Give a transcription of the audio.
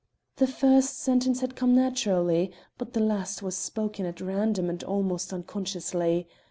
"The first sentence had come naturally, but the last was spoken at random and almost unconsciously.